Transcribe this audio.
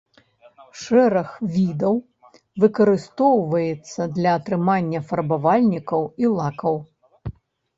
Шэраг відаў выкарыстоўваецца для атрымання фарбавальнікаў і лакаў.